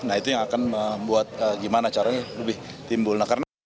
nah itu yang akan membuat gimana caranya lebih timbul